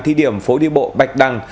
thi điểm phố đi bộ bạch đằng